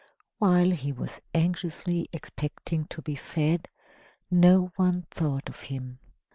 While he was anxiously expecting to be fed, no one thought of him.